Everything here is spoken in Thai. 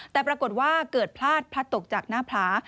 แต่ปรากฏว่าเกิดพลาดพลัดตกจากหน้าพล้า